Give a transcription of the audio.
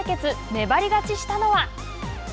粘り勝ちしたのは。